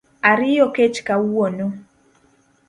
Ariyo kech kawuono